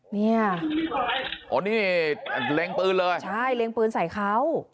เนี่ยอ๋อนี่เล็งปืนเลยใช่เล็งปืนใส่เขา